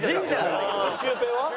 シュウペイは？